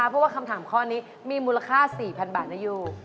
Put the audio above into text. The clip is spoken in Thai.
เพราะว่าคำถามข้อนี้มีมูลค่า๔๐๐๐บาทนะยู